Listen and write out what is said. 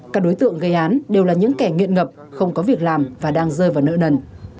các đối tượng gây án đều là những kẻ nghiện ngập không có việc làm và đang rơi vào nợ nần